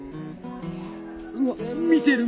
うわ見てる。